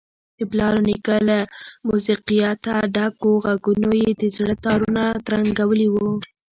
د پلار ونیکه له موسیقیته ډکو غږونو یې د زړه تارونه ترنګولي وو.